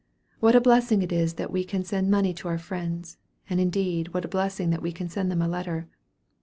"What a blessing it is that we can send money to our friends; and indeed what a blessing that we can send them a letter.